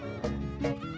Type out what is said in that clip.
terima kasih pak